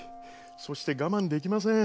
そして我慢できません。